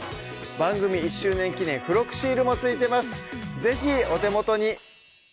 番組１周年記念付録シールも付いてます是非お手元に！